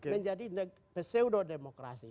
menjadi pseudo demokrasi